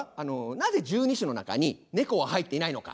なぜ十二支の中にネコは入っていないのか？